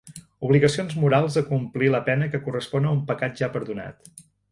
Obligacions morals a complir la pena que correspon a un pecat ja perdonat.